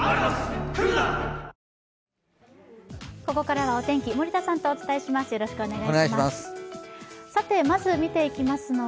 ここからはお天気森田さんとお伝えします。